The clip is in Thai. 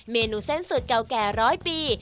เมนูเส้นสุดเก่าแก่ร้อยปี